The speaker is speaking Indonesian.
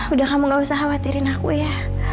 udah kamu gak usah khawatirin aku ya